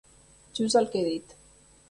Just el que he dit.